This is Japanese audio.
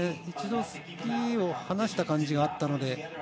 一度、スキーを離した感じがあったので。